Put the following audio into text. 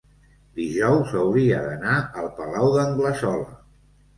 dijous hauria d'anar al Palau d'Anglesola.